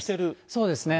そうですね。